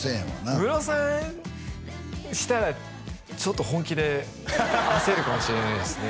ムロさんしたらちょっと本気で焦るかもしれないですね